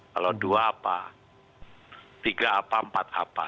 kalau dua apa tiga apa empat apa